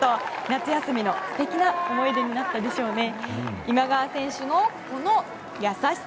夏休みの素敵な思い出になったでしょうね。